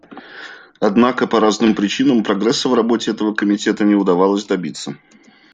Однако по разным причинам прогресса в работе этого Комитета не удавалось добиться.